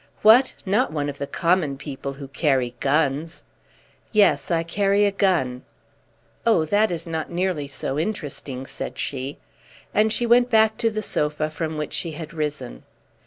"What! Not one of the common people who carry guns?" "Yes, I carry a gun." "Oh, that is not nearly so interesting," said she. And she went back to the sofa from which she had risen.